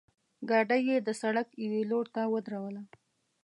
ګاډۍ یې د سړک یوې لورته ودروله.